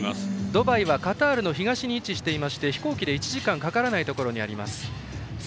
ドバイはカタールの東に位置していまして飛行機で１時間かからないところにあります。